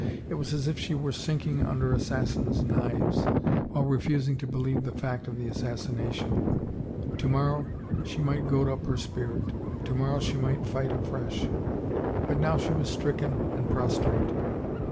It was as if she were sinking under assassins' knives while refusing to be lieve the fact of the assassination. To morrow she might goad up her spirit, to morrow she might fight afresh, but now she was stricken and prostrate.